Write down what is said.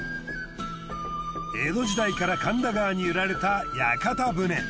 江戸時代から神田川に揺られた屋形船。